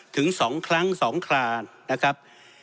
ถึงสองครั้งสองคลานะครับ